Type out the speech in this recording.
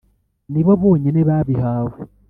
ni bo bonyine babihawe